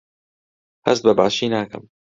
هەست بەباشی ناکەم.